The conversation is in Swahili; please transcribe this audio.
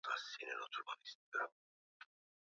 makabila yote ya Waarabu katika jina la Mungu mmoja Allah